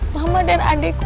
mama dan adekku